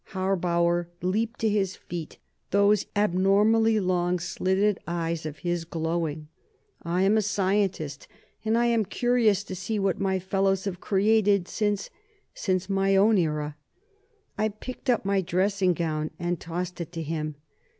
Harbauer leaped to his feet, those abnormally long, slitted eyes of his glowing. "I am a scientist, and I am most curious to see what my fellows have created since since my own era." I picked up my dressing gown and tossed it to him.